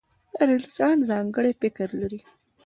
• هر انسان ځانګړی فکر لري.